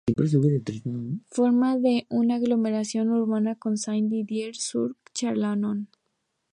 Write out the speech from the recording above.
Forma una aglomeración urbana con Saint-Didier-sur-Chalaronne.